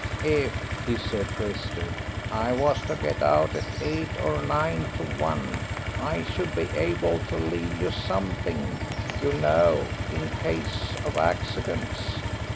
"If," he said to Esther, "I was to get out at eight or nine to one I should be able to leave you something, you know, in case of accidents."